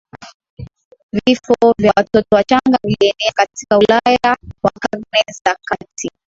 Vifo vya watoto wachanga vilienea katika Ulaya kwa Karne za kati